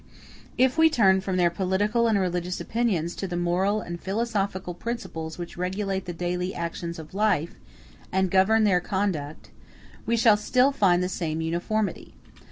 If we turn from their political and religious opinions to the moral and philosophical principles which regulate the daily actions of life and govern their conduct, we shall still find the same uniformity.